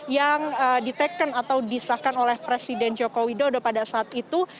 yang diteken atau disahkan oleh presiden joko widodo pada saat itu